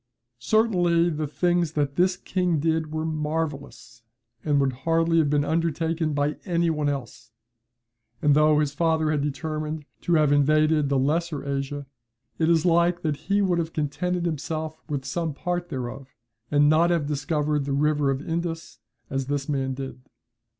Certainly, the things that this king did were marvellous, and would hardly have been undertaken by any one else: and though his father had determined to have invaded the Lesser Asia, it is like that he would have contented himself with some part thereof, and not have discovered the river of Indus, as this man did."